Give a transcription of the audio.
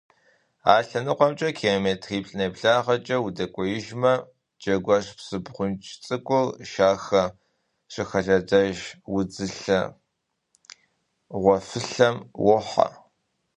А лъэныкъуэмкӀэ километриплӀ нэблагъэкӀэ удэкӀуеижмэ, Джэгуэщ псы бгъунж цӀыкӀур Шахэ щыхэлъэдэж удзылъэ гъуэфылъэм уохьэ.